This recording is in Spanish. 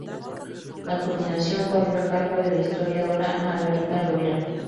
La coordinación corrió a cargo de la historiadora Margarita Loera.